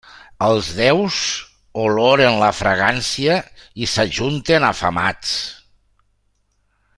Els déus oloren la fragància i s'ajunten afamats.